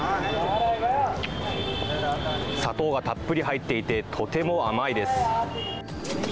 砂糖がたっぷり入っていてとても甘いです。